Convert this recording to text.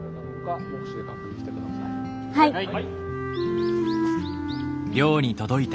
はい。